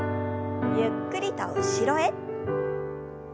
ゆっくりと後ろへ。